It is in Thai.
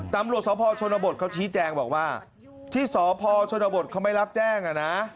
ตำรวจสพชนบทเขาชี้แจงบอกว่าที่สพชนบทเขาไม่รับแจ้งอ่ะนะ